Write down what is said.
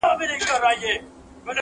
مور د کور درد زغمي,